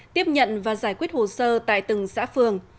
tiếp nhận và giải quyết hồ sơ tại từng xã phường